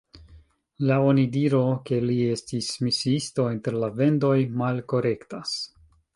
La onidiro ke li estis misiisto inter la Vendoj malkorektas.